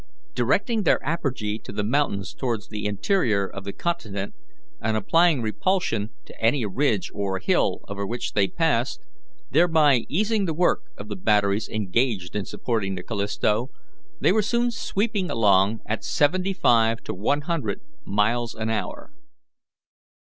Directing their apergy to the mountains towards the interior of the continent, and applying repulsion to any ridge or hill over which they passed, thereby easing the work of the batteries engaged in supporting the Callisto, they were soon sweeping along at seventy five to one hundred miles an hour.